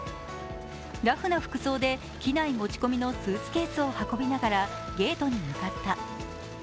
ラフな服装で機内持ち込みのスーツケースを運びながらゲートに向かった。